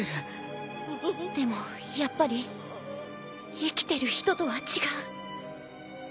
でもやっぱり生きてる人とは違う。